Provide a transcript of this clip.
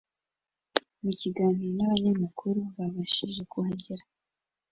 Mu kinaniro n’abanyamakuru babshije kuhagera